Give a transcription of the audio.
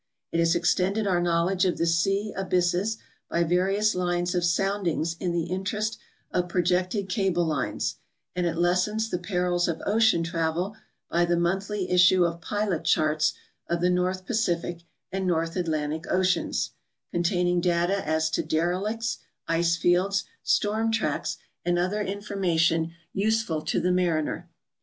It has extended our knowledge of the sea ab3'sses by various lines of soundings in the interest of projected cable lines, and it lessens the perils of ocean travel by the monthly issue of pilot charts of the North Pacific and North Atlantic oceans, containing data as to derelicts, ice fields, storm tracks, and other information useful to the mariner.